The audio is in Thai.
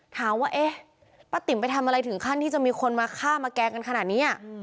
ถามว่าเอ๊ะป้าติ๋มไปทำอะไรถึงขั้นที่จะมีคนมาฆ่ามาแกล้งกันขนาดนี้